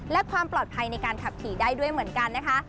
และความปลอดภัยในการขับขี่ได้ด้วยเหมือนกันนะคะ